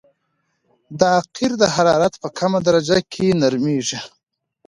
دا قیر د حرارت په کمه درجه کې نرمیږي